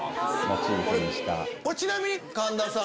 ちなみに神田さん